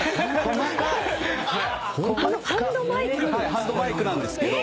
ハンドマイクなんですけど。